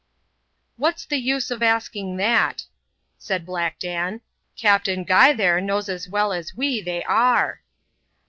" What's the use of asking that?" said Black Dan ;" Cap ^ dn Guy there knows as well as we they are."